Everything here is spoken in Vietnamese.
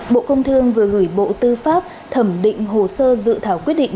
bộ công thương vừa gửi bộ tư pháp thẩm định hồ sơ dự thảo quyết định